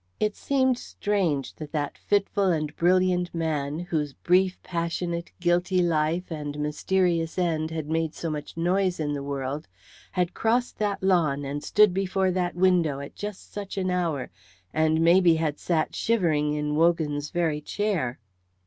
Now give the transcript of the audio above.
It seemed strange that that fitful and brilliant man, whose brief, passionate, guilty life and mysterious end had made so much noise in the world, had crossed that lawn and stood before that window at just such an hour, and maybe had sat shivering in Wogan's very chair.